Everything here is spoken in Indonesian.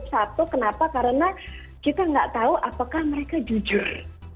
satu kenapa karena kita nggak tahu apakah mereka jujur